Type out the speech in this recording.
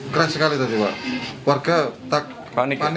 keras sekali tadi pak warga panik apa tadi